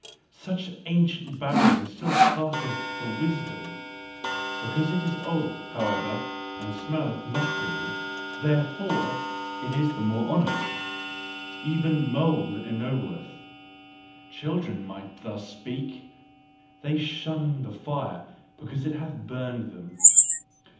Such ancient babbling still passeth for "wisdom"; because it is old, however, and smelleth mustily, THEREFORE is it the more honoured. Even mould ennobleth. Children might thus speak: they SHUN the fire because it hath burnt them!